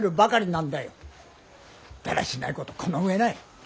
だらしないことこの上ない。